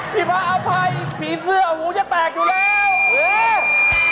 พระอภัยผีเสื้อหูจะแตกอยู่แล้ว